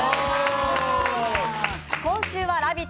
今週は「ラヴィット！」